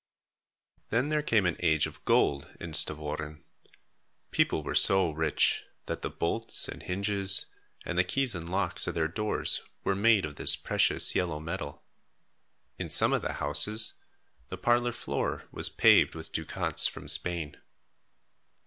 Then there came an age of gold in Stavoren. People were so rich, that the bolts and hinges and the keys and locks of their doors were made of this precious yellow metal. In some of the houses, the parlor floor was paved with ducats from Spain.